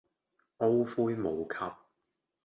懊悔無及